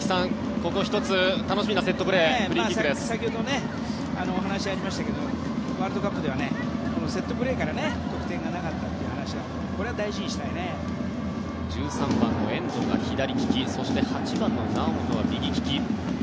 ここ１つ、楽しみなセットプレー先ほど話にありましたがワールドカップではセットプレーからの得点がなかったという話があったけど１３番の遠藤が左利きそして、８番の猶本は右利き。